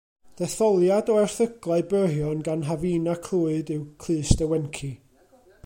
Detholiad o erthyglau byrion gan Hafina Clwyd yw Clust y Wenci.